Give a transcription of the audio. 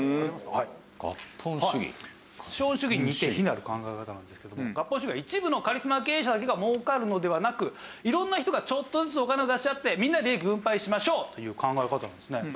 資本主義に似て非なる考え方なんですけども合本主義は一部のカリスマ経営者だけが儲かるのではなく色んな人がちょっとずつお金を出し合ってみんなで分配しましょうという考え方なんですね。